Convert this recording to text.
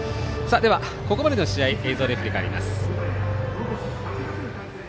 ここまでの試合映像で振り返ります。